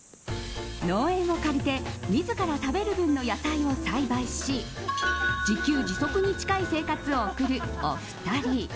農園を借りて自ら食べる分の野菜を栽培し自給自足に近い生活を送るお二人。